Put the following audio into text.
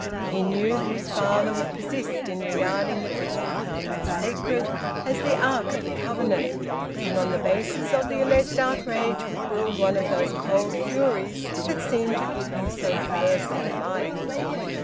He knew that his father would persist in regarding the fifty pounds as sacred, as the ark of the covenant, and on the basis of the alleged outrage would build one of those cold furies that seemed to give him so perverse a delight.